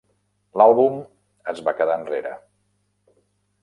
L'àlbum es va quedar enrere.